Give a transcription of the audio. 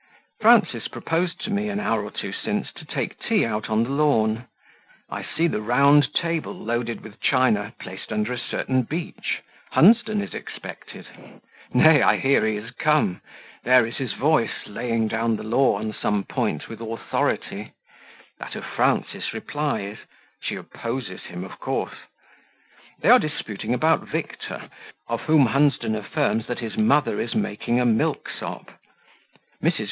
Frances proposed to me, an hour or two since, to take tea out on the lawn; I see the round table, loaded with china, placed under a certain beech; Hunsden is expected nay, I hear he is come there is his voice, laying down the law on some point with authority; that of Frances replies; she opposes him of course. They are disputing about Victor, of whom Hunsden affirms that his mother is making a milksop. Mrs.